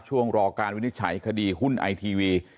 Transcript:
รอการวินิจฉัยคดีหุ้นไอทีวี